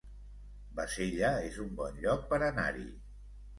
Bassella es un bon lloc per anar-hi